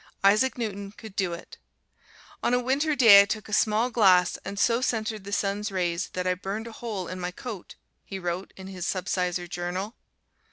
Isaac Newton could do it. "On a Winter day I took a small glass and so centered the sun's rays that I burned a hole in my coat," he wrote in his subsizar journal.